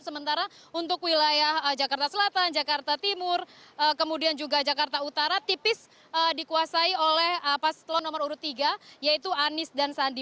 sementara untuk wilayah jakarta selatan jakarta timur kemudian juga jakarta utara tipis dikuasai oleh paslon nomor urut tiga yaitu anies dan sandi